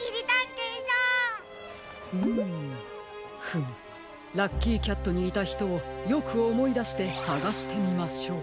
フムラッキーキャットにいたひとをよくおもいだしてさがしてみましょう。